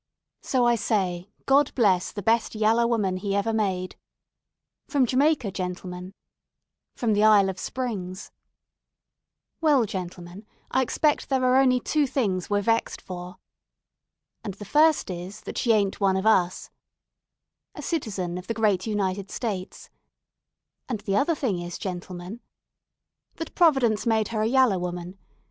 So, I say, God bless the best yaller woman He ever made , from Jamaica, gentlemen , from the Isle of Springs Well, gentlemen, I expect there are only tu things we're vexed for ; and the first is, that she ain't one of us , a citizen of the great United States ; and the other thing is, gentlemen , that Providence made her a yaller woman.